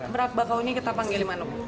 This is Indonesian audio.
merak bakahuni kita panggil di manuk